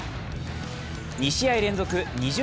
２試合連続２０